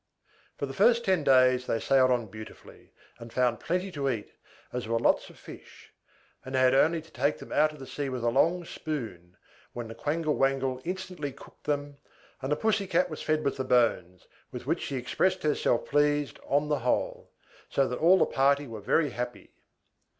For the first ten days they sailed on beautifully, and found plenty to eat, as there were lots of fish; and they had only to take them out of the sea with a long spoon, when the Quangle Wangle instantly cooked them; and the Pussy Cat was fed with the bones, with which she expressed herself pleased, on the whole: so that all the party were very happy.